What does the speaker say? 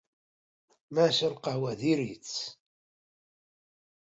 Maca lqahwa diri-tt.